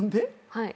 はい。